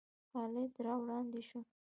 خالد را وړاندې شو.